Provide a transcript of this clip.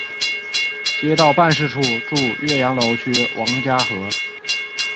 街道办事处驻岳阳楼区王家河。